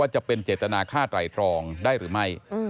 จะเป็นเจตนาฆ่าไตรตรองได้หรือไม่